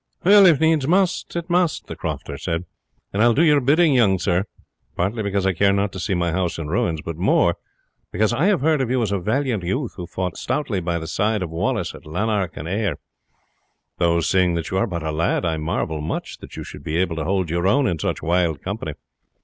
"Well, if needs must, it must," the crofter said; "and I will do your bidding, young sir partly because I care not to see my house in ruins, but more because I have heard of you as a valiant youth who fought stoutly by the side of Wallace at Lanark and Ayr though, seeing that you are but a lad, I marvel much that you should be able to hold your own in such wild company.